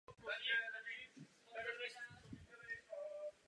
Jde o jednu z nejstarších funkčních staveb v Brně.